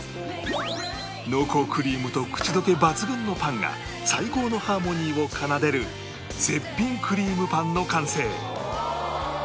濃厚クリームと口溶け抜群のパンが最高のハーモニーを奏でる絶品クリームパンの完成！